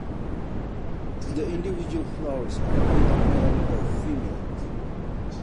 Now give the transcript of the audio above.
The individual flowers are either male or female.